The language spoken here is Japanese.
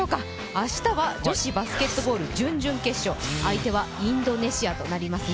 明日は女子バスケットボール準々決勝相手はインドネシアとなりますね。